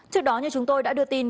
trước đó như chúng tôi đã đưa tin